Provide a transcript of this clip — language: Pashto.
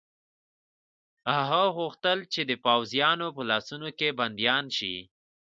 هغه غوښتل چې د پوځیانو په لاسونو کې بندیان شي.